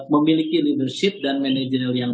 memiliki leadership dan manajerial yang